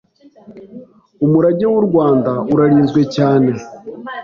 umurage w’u Rwanda urarinzwe cyane